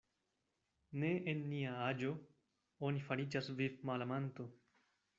Ne en nia aĝo oni fariĝas vivmalamanto.